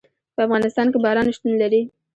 په افغانستان کې باران شتون لري.